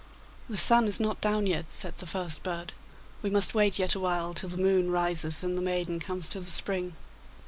'The sun is not down yet,' said the first bird; 'we must wait yet awhile till the moon rises and the maiden comes to the spring.